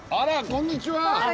こんにちは！